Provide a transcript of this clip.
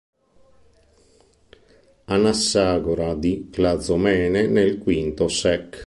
Anassagora di Clazomene nel V sec.